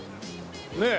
ねえ。